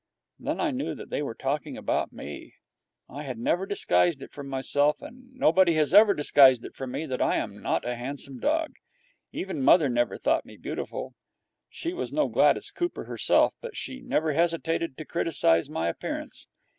Then I knew that they were talking about me. I have never disguised it from myself, and nobody has ever disguised it from me, that I am not a handsome dog. Even mother never thought me beautiful. She was no Gladys Cooper herself, but she never hesitated to criticize my appearance.